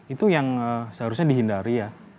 itu yang seharusnya dihindari ya